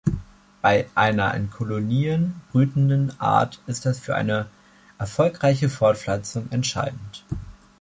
Bei einer in Kolonien brütenden Art ist das für eine erfolgreiche Fortpflanzung entscheidend.